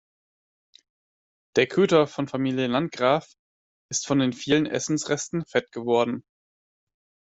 Der Köter von Familie Landgraf ist von den vielen Essensresten fett geworden.